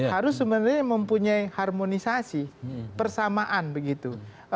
harus sebenarnya mempunyai harmonisasi persamaan begitu